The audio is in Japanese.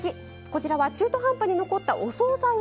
こちらは中途半端に残ったお総菜を一掃します。